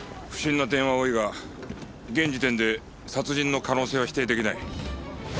不審な点は多いが現時点で殺人の可能性は否定出来ない。